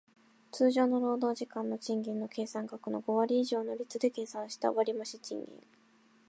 通常の労働時間の賃金の計算額の五割以上の率で計算した割増賃金